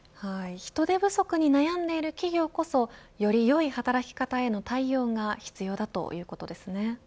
人手不足に悩んでいる企業こそよりよい働き方への対応が必要だということですね。